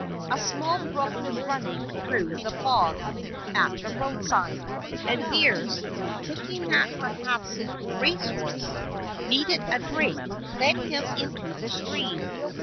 A small brook was running through the bogs at the roadside, and Beers, thinking that perhaps his "race horse" needed a drink, led him into the stream.